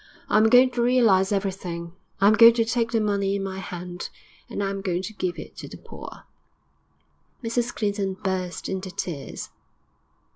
I am going to realise everything; I am going to take the money in my hand, and I am going to give it to the poor.' Mrs Clinton burst into tears.